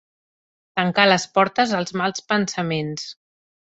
Tancar les portes als mals pensaments.